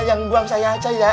yang buang saya aja ya